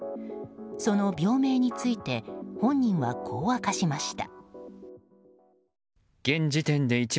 その病名について本人はこう明かしました。